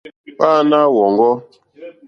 Hwáǃánáá wɔ̀ŋɡɔ́.